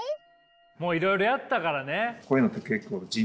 もういろいろやったからね。